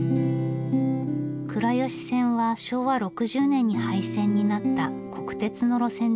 倉吉線は昭和６０年に廃線になった国鉄の路線でした。